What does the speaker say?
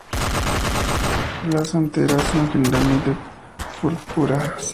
Las anteras son generalmente purpúreas.